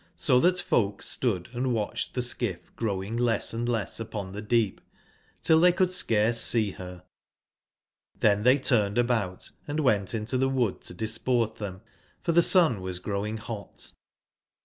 So that folh stood and watched the shifl" growing lessand less upon the deep till they could scarce see herXhen they turnedabout and went into the wood to disport them, for the sun was growing hot.